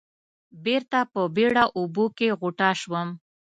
بېرته په بېړه اوبو کې غوټه شوم.